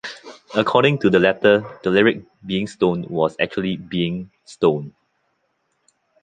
According to the letter, the lyric "being stoned" was actually "being "stone".